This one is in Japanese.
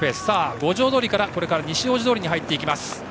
五条通から西大路通に入っていきます。